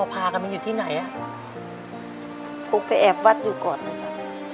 พากันมาอยู่ที่ไหนอ่ะปูไปแอบวัดอยู่ก่อนนะจ๊ะ